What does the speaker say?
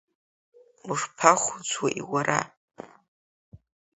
Ушԥахәыцуеи уара?!